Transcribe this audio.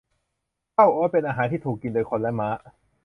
ข้าวโอ๊ตเป็นอาหารที่ถูกกินโดยคนและม้า